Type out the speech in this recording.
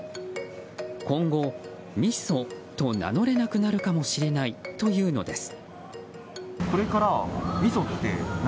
今後、みそと名乗れなくなるかもしれないというのです。